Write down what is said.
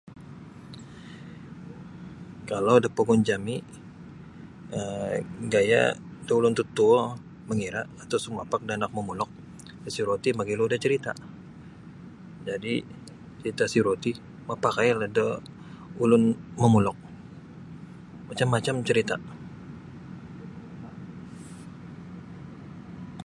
Kalau da pogun jami' um gaya' tu ulun totuo mangira' atau sumapak da anak momoluk disiro ti mogilo da carita'. Jadi' carita' siro ti mapakailah da ulun momulok macam-macam carita'.